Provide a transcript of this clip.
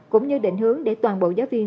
cũng như định hướng để toàn bộ giáo viên